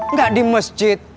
nggak di masjid